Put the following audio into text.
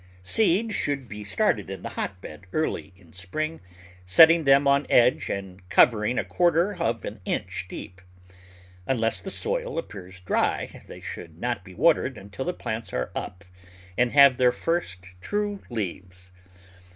Seed should be started in the hotbed early in spring, setting them on edge and covering a quarter of an inch deep. Unless the soil appears dry they should not be watered until the plants are up and have their first true leaves.